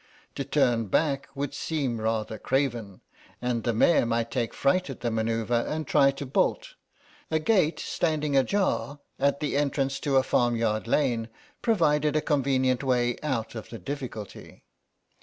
To turn back would seem rather craven, and the mare might take fright at the manœuvre and try to bolt; a gate standing ajar at the entrance to a farmyard lane provided a convenient way out of the difficulty.